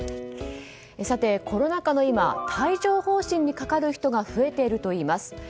コロナ禍の今、帯状疱疹にかかる人が増えているといいます。